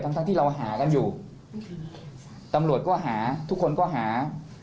ทั้งทั้งที่เราหากันอยู่ตำรวจก็หาทุกคนก็หา